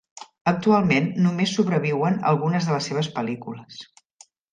Actualment només sobreviuen algunes de les seves pel·lícules.